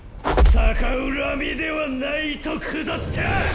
「逆恨みではない」と下ったッ！